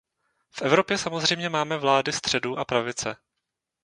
V Evropě samozřejmě máme vlády středu a pravice.